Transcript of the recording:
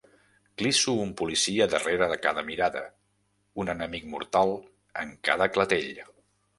Clisso un policia darrere de cada mirada, un enemic mortal en cada clatell.